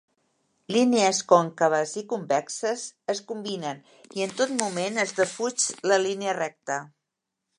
Línies còncaves i convexes es combinen i en tot moment es defuig la línia recta.